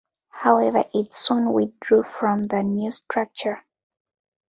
However it soon withdrew from the new structure.